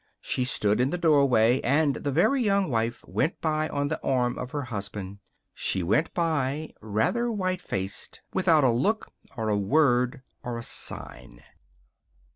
She stood in the doorway and the Very Young Wife went by on the arm of her husband. She went by rather white faced without a look or a word or a sign!